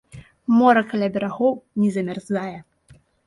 Мора каля берагоў не замярзае.